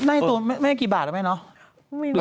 ในตัวไม่ได้กี่บาทหรือไม่เนอะ